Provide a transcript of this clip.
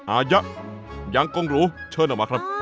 อายะยังกงหรูเชิญออกมาครับ